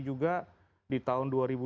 juga di tahun dua ribu dua puluh